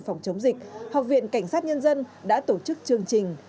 phòng chống dịch học viện cảnh sát nhân dân đã tổ chức chương trình